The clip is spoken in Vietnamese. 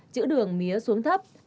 chữ đường mía xuống thấp